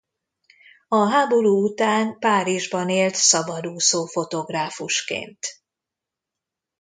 A háború után Párizsban élt szabadúszó fotográfusként.